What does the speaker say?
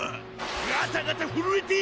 ガタガタふるえて！